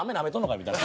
みたいな。